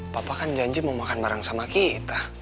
papa kan janji mau makan bareng sama kita